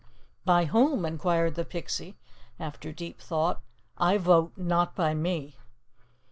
'" "By whom?" inquired the Pixie, after deep thought. "I vote, not by me."